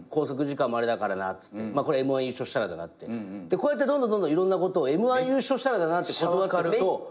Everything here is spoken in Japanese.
こうやってどんどんいろんなことをＭ−１優勝したらって断ってくと。